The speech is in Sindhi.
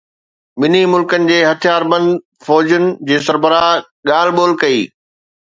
ٻنهي ملڪن جي هٿياربند فوجن جي سربراهن ڳالهه ٻولهه ڪئي